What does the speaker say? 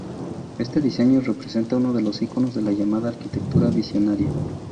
Este diseño representa uno de los iconos de la llamada arquitectura visionaria.